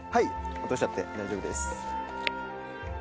落としちゃって大丈夫です。